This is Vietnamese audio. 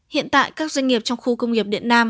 hiện tại các doanh nghiệp trong khu công nghiệp điện nam